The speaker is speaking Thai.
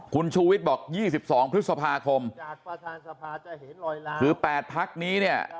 คุณชูวิทย์บอก๒๒พฤษภาคมคือ๘พักนี้เนี่ย